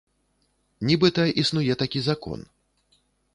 Нібыта існуе такі закон.